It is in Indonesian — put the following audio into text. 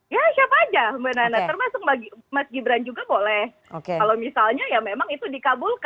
ya siapa saja mbak nana termasuk mas gibran juga boleh kalau misalnya ya memang itu dikabulkan kan begitu mbak nana